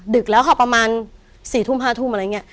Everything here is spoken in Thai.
เพื่อนจากต่างโรงเรียนมาหาดึกแล้วค่ะประมาณ๔๕ทุ่มอะไรอย่างนี้